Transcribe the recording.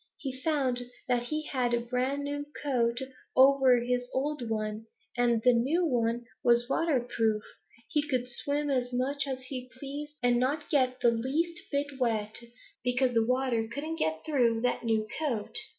He found that he had a brand new coat over his old one, and the new one was waterproof. He could swim as much as he pleased and not get the least bit wet, because the water couldn't get through that new coat.